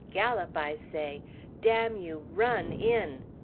Gallop, I say! Damn you! run in!"